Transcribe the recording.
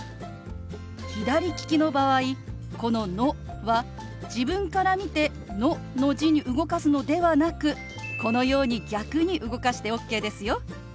左利きの場合この「ノ」は自分から見て「ノ」の字に動かすのではなくこのように逆に動かしてＯＫですよ。